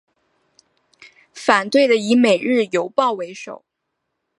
反对的以每日邮报为首。